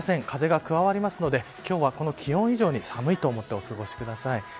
風が加わるので、この気温以上に寒いと思ってお過ごしください。